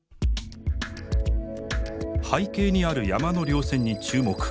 背景にある山の稜線に注目。